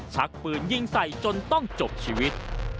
ชักปืนยิงใส่จนต้องจบชีวิต